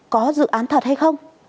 có dự án thật hay không